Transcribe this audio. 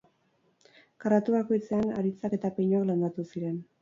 Karratu bakoitzean haritzak eta pinuak landatu ziren.